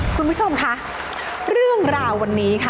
คุณผู้ชมค่ะเรื่องราววันนี้ค่ะ